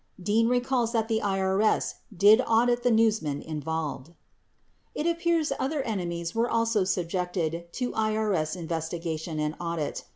Dean recalls that the IBS did audit the newsman involved. 58 It appears other "enemies" were also subjected to IBS investigation and audit.